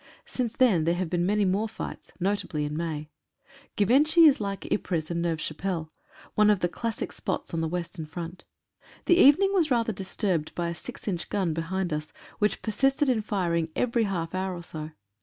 Since then there have been many more fights, notably in May. Givenchy is like Ypres and Neuve Chapelle — one of the classic spots on the western front. The evening was rather disturbed by a six inch gun behind us, which persisted in firing every half hour or so.